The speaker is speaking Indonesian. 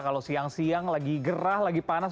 kalau siang siang lagi gerah lagi panas